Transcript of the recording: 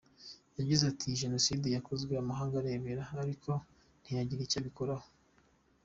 Yagize ati” Iyi Jenoside yakozwe amahanga arebera ariko ntiyagira icyo abikoraho.